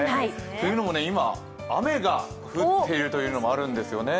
というのも、今、雨が降っているというのもあるんですよね。